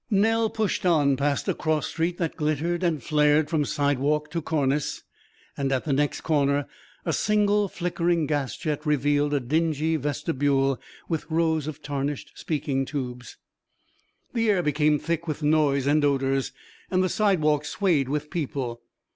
Nell pushed on past a cross street that glittered and flared from sidewalk to cornice, and at the next corner a single flickering gas jet revealed a dingy vestibule with rows of tarnished speaking tubes.... The air became thick with noise and odours and the sidewalks swayed with people.